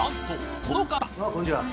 こんにちは。